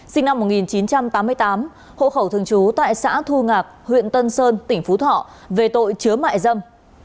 sinh năm một nghìn chín trăm tám mươi tám hộ khẩu thường trú tại xã thu ngạc huyện tân sơn tỉnh phú thọ về tội chứa mại dâm